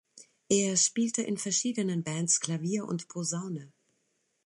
Er spielte in verschiedenen Bands Klavier und Posaune.